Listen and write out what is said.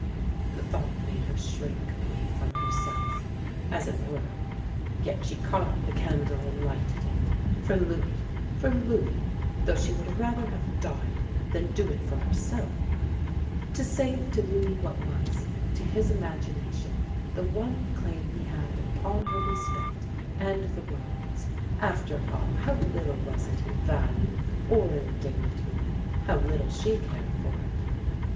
The thought made her shrink away from herself, as it were, yet she caught up the candle and lighted it. For Louis. For Louis, though she would rather have died than do it for herself. To save to Louis what was, to his imagination, the one claim he had upon her respect and the world's. After all, how little was it in value or in dignity! How little she cared for it!